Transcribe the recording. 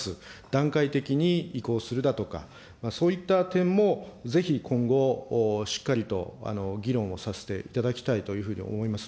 段階的に移行するだとか、そういった点もぜひ今後、しっかりと議論をさせていただきたいというふうに思います。